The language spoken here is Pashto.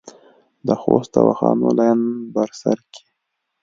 د خوست دواخانو لین بر سر کې